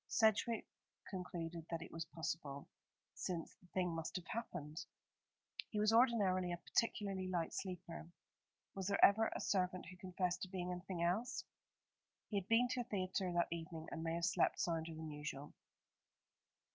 Sedgewick concluded that it was possible, since the thing must have happened. He was ordinarily a particularly light sleeper. Was there ever a servant who confessed to being anything else? He had been to a theatre that evening, and may have slept sounder than usual.